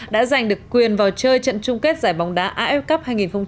đã giành được quyền vào chơi trận chung kết giải bóng đá af cup hai nghìn một mươi tám